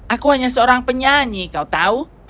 aku hanya seorang penyanyi kau tahu